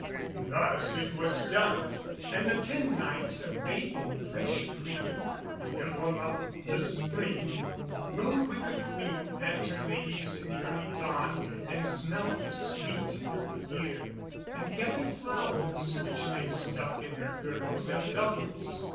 Thus it was done, and the ten Knights, arrayed in fresh green, the emblem of the spring, rode with the Queen and her ladies in the early dawn, and smelt the sweet of the year, and gathered flowers which they stuck in their girdles and doublets.